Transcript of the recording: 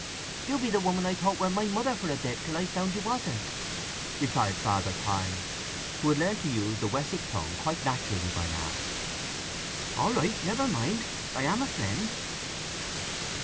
You be the woman I thought wer my mother for a bit, till I found you wasn't," replied Father Time, who had learned to use the Wessex tongue quite naturally by now. "All right. Never mind. I am a friend."